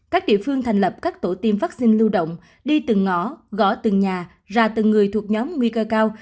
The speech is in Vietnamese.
các địa phương thành lập các tổ tiêm vaccine lưu động đi từng ngõ gõ từng nhà ra từng người thuộc nhóm nguy cơ cao